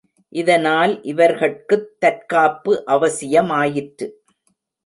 இதனால் இவர்கட்குத் தற்காப்பு அவசியமாயிற்று.